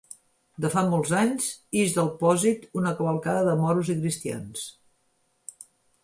De fa molts anys, ix del Pòsit una cavalcada de moros i cristians.